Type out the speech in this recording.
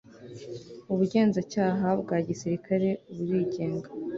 ubugenzacyaha bwa gisirikare burigenga